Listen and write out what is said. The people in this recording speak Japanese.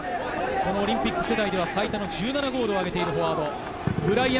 オリンピック世代では最多１７ゴールをあげているフォワード。